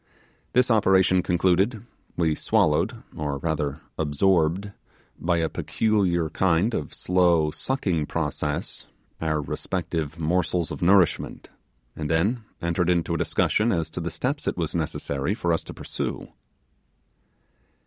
This operation concluded, we swallowed, or rather absorbed, by a peculiar kind of slow sucking process, our respective morsels of nourishment, and then entered into a discussion as to the steps is was necessary for us to pursue.